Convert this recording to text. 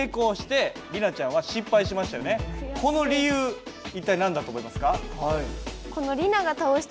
この理由一体何だと思いますか？